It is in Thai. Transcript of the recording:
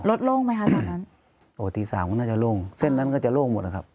โล่งไหมคะตอนนั้นปกติสามก็น่าจะโล่งเส้นนั้นก็จะโล่งหมดแล้วครับ